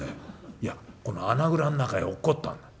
「いやこの穴蔵ん中へ落っこったんだ」。